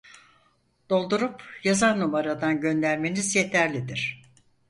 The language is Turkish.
Doldurup yazan numaradan göndermeniz yeterlidir